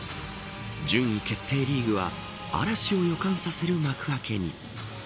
順位決定リーグは嵐を予感させる幕開けに。